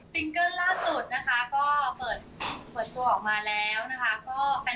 เกิ้ลล่าสุดนะคะก็เปิดตัวออกมาแล้วนะคะ